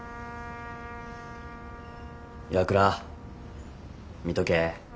岩倉見とけ。